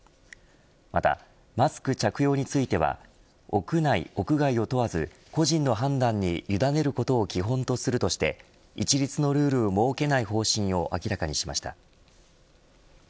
また、マスク着用については屋内、屋外を問わず個人の判断に委ねることを基本とするとして一律のルールを設けない方針を明らかにしました。